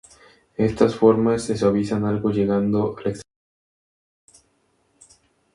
Estas formas se suavizan algo llegando a la extremidad posterior.